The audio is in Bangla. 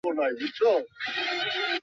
জোরে বলে ফেললাম নাকি?